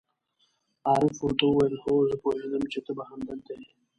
عارف ور ته وویل: هو، زه پوهېدم چې ته به همدلته یې.